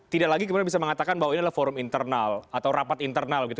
tidak lagi kemudian bisa mengatakan bahwa ini adalah forum internal atau rapat internal gitu